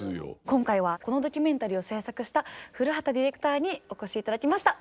今回はこのドキュメンタリーを制作した古籏ディレクターにお越し頂きました。